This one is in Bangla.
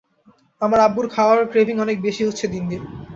আমার আব্বুর খাওয়ার ক্রেভিং অনেক বেশি হচ্ছে দিন দিন।